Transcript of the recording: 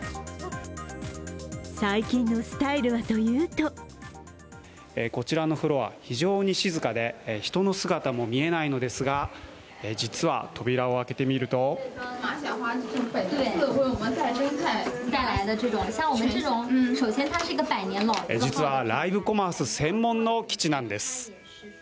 最近のスタイルはというとこちらのフロア、非常に静かで人の姿も見えないのですが実は扉を開けてみると実はライブコマース専門の基地なんです。